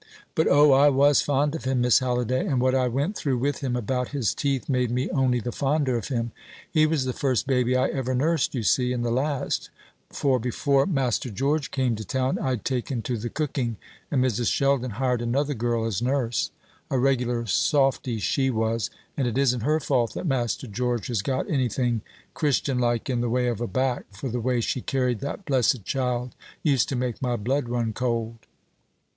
"But, O, I was fond of him, Miss Halliday; and what I went through with him about his teeth made me only the fonder of him. He was the first baby I ever nursed, you see, and the last; for before Master George came to town I'd taken to the cooking, and Mrs. Sheldon hired another girl as nurse; a regular softy she was, and it isn't her fault that Master George has got anything christian like in the way of a back, for the way she carried that blessed child used to make my blood run cold."